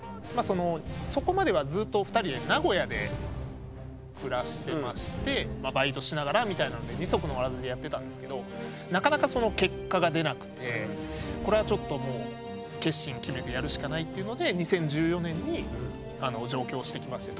そこまではずっと２人で名古屋で暮らしてましてバイトしながらみたいなので二足のわらじでやってたんですけどなかなかその結果が出なくてこれはちょっともう決心決めてやるしかないっていうので２０１４年に上京してきまして。